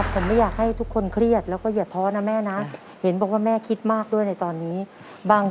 ผมอยากให้ทุกคนเครียดและอย่าท้อนมีครับแหมนะเห็นว่าแม่คิดมากด้วยในตอนนี้บาง